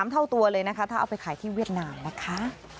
เท่าตัวเลยนะคะถ้าเอาไปขายที่เวียดนามนะคะ